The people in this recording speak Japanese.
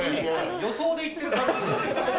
予想で言ってる感じ。